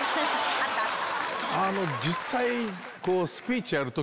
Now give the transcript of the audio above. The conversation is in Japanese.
あったあった。